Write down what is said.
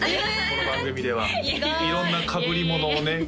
この番組では意外色んなかぶり物をね